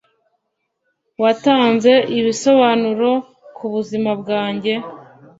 watanze ibisobanuro kubuzima bwanjye.